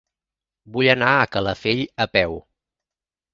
Vull anar a Calafell a peu.